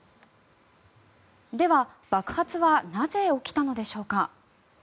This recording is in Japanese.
では、爆発はなぜ起きたのでしょうか。